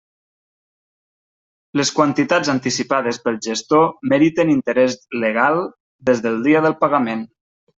Les quantitats anticipades pel gestor meriten interès legal des del dia del pagament.